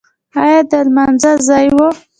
ایا د لمانځه ځای و؟